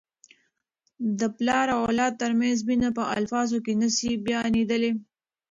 د پلار او اولاد ترمنځ مینه په الفاظو کي نه سي بیانیدلی.